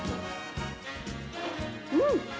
うん！